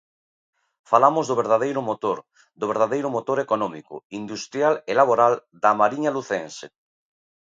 Falamos do verdadeiro motor, do verdadeiro motor económico, industrial e laboral da Mariña lucense.